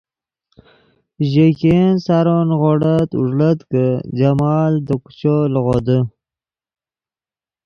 ژے ګئین سارو نیغوڑت اوݱڑت کہ جمال دے کوچو لیغودے